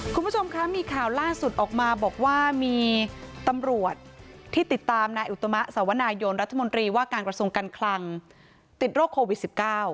คุณผู้ชมคะมีข่าวล่าสุดออกมาบอกว่ามีตำรวจที่ติดตามนายอุตมะสวนายนรัฐมนตรีว่าการกระทรวงการคลังติดโรคโควิด๑๙